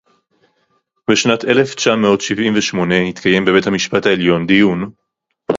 בשנת אלף תשע מאות שבעים ושמונה התקיים בבית-המשפט העליון דיון